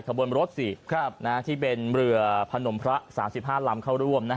คบรรยุรถสี่นะครับที่เป็นเรือพนมพระ๓๕ลำเขั้วร่วม